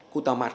cụ tào mạt